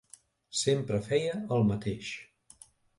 Sempre feia el mateix.